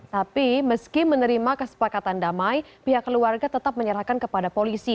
tapi meski menerima kesepakatan damai pihak keluarga tetap menyerahkan kepada polisi